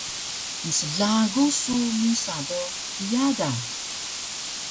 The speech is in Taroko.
Mslagu su musa do kiya da